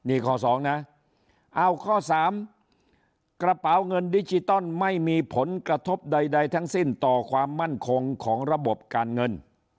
นี่ข้อสองนะเอาข้อ๓กระเป๋าเงินดิจิตอลไม่มีผลกระทบใดทั้งสิ้นต่อความมั่นคงของระบบการเงิน